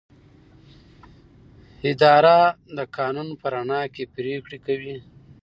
اداره د قانون په رڼا کې پریکړې کوي.